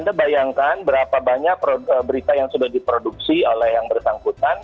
jadi anda bayangkan berapa banyak berita yang sudah diproduksi oleh yang bersangkutan